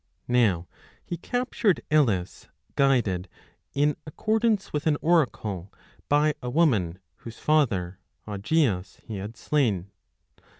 Now he captured Elis guided, in accordance with an oracle, by a woman, whose father, Augeas, he had slain.